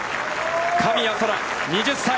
神谷そら、２０歳。